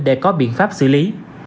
để có biện pháp xử lý